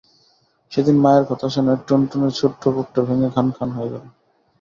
সেদিন মায়ের কথা শুনে টুনটুনের ছোট্ট বুকটা ভেঙে খান খান হয়ে গেল।